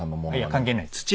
いや関係ないです。